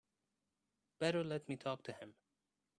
Better let me talk to him.